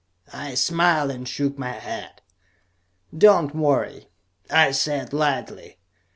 I smiled and shook my head. "Don't worry," I said lightly.